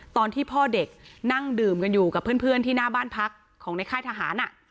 ตอนที่พ่อเด็กนั่งดื่มกันอยู่กับเพื่อนที่หน้าบ้านพักของในค่ายทหาร